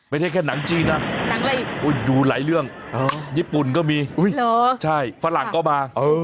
ไม่ใช่แค่หนังจีนนะดูหลายเรื่องญี่ปุ่นก็มีใช่ฝรั่งก็มา